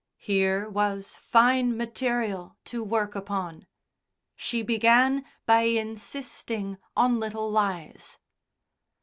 Here was fine material to work upon. She began by insisting on little lies.